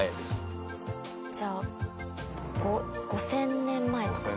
秋元：じゃあ５０００年前とか？